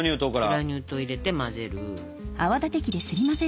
グラニュー糖入れて混ぜる。